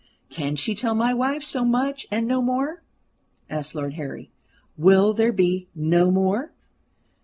"Can she tell my wife so much and no more?" asked Lord Harry. "Will there be no more?"